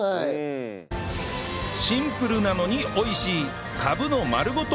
シンプルなのに美味しいカブの丸ごと